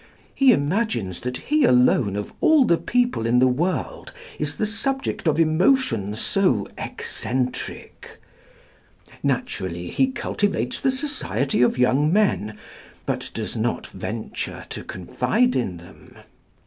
He imagines that he alone of all the people in the world is the subject of emotions so eccentric. Naturally, he cultivates the society of young men, but does not venture to confide in them.